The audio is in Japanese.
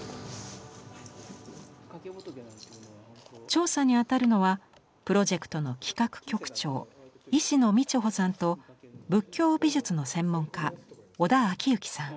調査にあたるのはプロジェクトの企画局長石埜三千穂さんと仏教美術の専門家織田顕行さん。